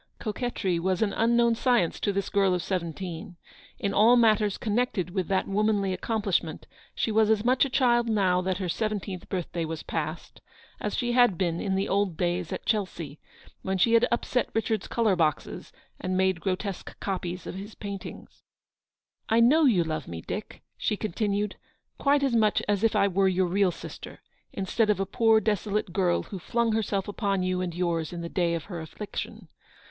Coquetry was an unknown science to this girl of seventeen. In all matters connected with that womanly accomplishment she was as much a child now that her seventeenth birthday was past, as she had been in the old days at Chelsea when she had upset Richard's colour boxes and made grotesque copies of his paintings. Q 2 228 "I know you love me, Dick/' she continued, "quite as much as if I were your real sister, instead of a poor desolate girl who flung herself upon you and yours in the day of her affliction.